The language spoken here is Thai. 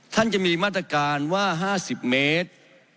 ท่านจะมีมาตรการว่า๕๐เมตร